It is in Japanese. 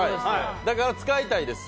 だから使いたいです。